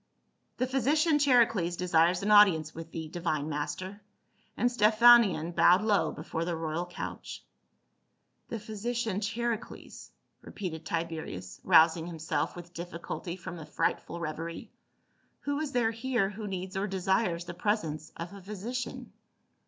" The physician Charicles desires an audience with thee, divine master." And Stephanion bowed low before the royal couch. '* The physician Charicles," repeated Tiberius, rous ing himself with difficulty from a frightful reverie. " Who is there here who needs or desires the pres ence of a physician